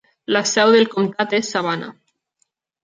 La seu del comtat és Savannah.